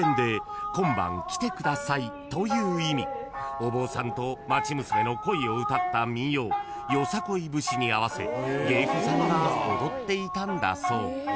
［お坊さんと町娘の恋を歌った民謡『よさこい節』に合わせ芸妓さんが踊っていたんだそう］